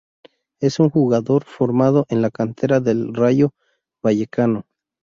Es un jugador formado en la cantera del Rayo Vallecano.